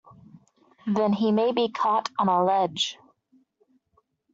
Then he may be caught on a ledge!